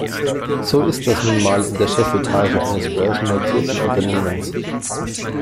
So ist das nun mal in der Chefetage eines börsennotierten Unternehmens.